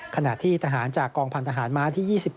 ขณะที่ทหารจากกองพันธหารม้าที่๒๗